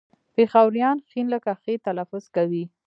پېښوريان ښ لکه خ تلفظ کوي